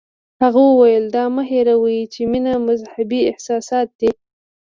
هغه وویل دا مه هیروئ چې مینه مذهبي احساسات دي.